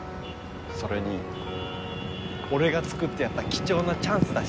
それに俺がつくってやった貴重なチャンスだしな。